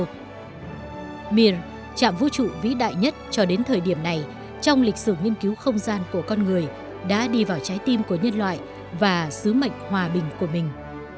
trong thời gian chạm vũ trụ vĩ đại nhất cho đến thời điểm này trong lịch sử nghiên cứu không gian của con người đã đi vào trái tim của nhân loại và sứ mệnh hòa bình của mình